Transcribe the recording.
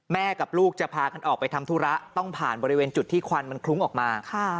กับลูกจะพากันออกไปทำธุระต้องผ่านบริเวณจุดที่ควันมันคลุ้งออกมา